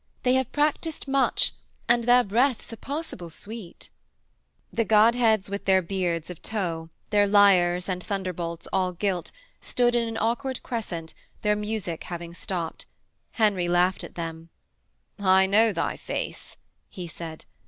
They have practised much, and their breaths are passable sweet.' The godheads with their beards of tow, their lyres and thunderbolts all gilt, stood in an awkward crescent, their music having stopped. Henry laughed at them. 'I know thy face,' he said.